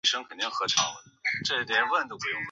指的是在身体组织中蓄积的脓。